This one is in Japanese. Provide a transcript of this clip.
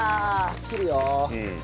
切るよ。